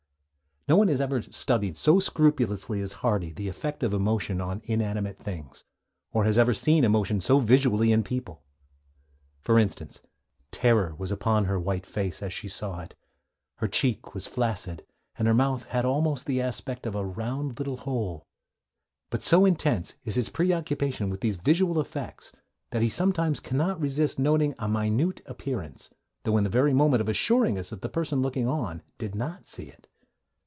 No one has ever studied so scrupulously as Hardy the effect of emotion on inanimate things, or has ever seen emotion so visually in people. For instance: 'Terror was upon her white face as she saw it; her cheek was flaccid, and her mouth had almost the aspect of a round little hole.' But so intense is his preoccupation with these visual effects that he sometimes cannot resist noting a minute appearance, though in the very moment of assuring us that the person looking on did not see it.